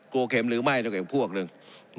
กลัวเข็มหรือไม่แล้วกับพวกหนึ่ง